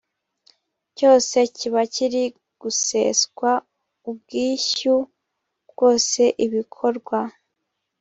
cyose kiba kiri guseswa ubwishyu bwose ibikorwa